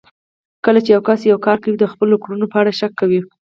کله چې يو کس يو کار کوي د خپلو کړنو په اړه شک کوي.